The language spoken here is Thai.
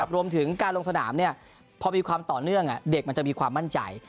รวมถึงการลงสนามพอมีความต่อเนื่องเด็กมันจะมีความมั่นใจ